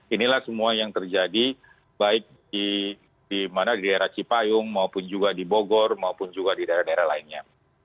inilah semua yang terjadi baik di daerah cipayung maupun juga di bogor maupun juga di daerah daerah lainnya